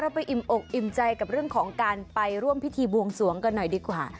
ไปอิ่มอกอิ่มใจกับเรื่องของการไปร่วมพิธีบวงสวงกันหน่อยดีกว่า